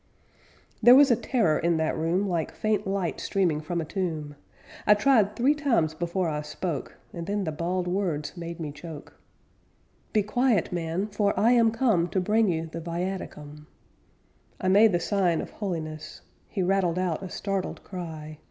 There was a terror in that room Like faint light streaming from a tomb. I tried three times before I spoke, And then the bald words made me choke: 'Be quiet, man, for I am come To bring you the viaticum!' I made the sign of holiness. He rattled out a startled cry.